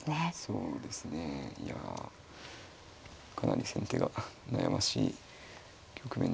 そうですねいやかなり先手が悩ましい局面です。